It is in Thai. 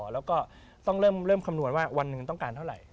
แล้วก็ต้องเริ่มคำนวณว่าวันหนึ่งต้องการเท่าไหร่